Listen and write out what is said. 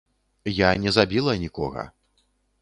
Я не забіла нікога.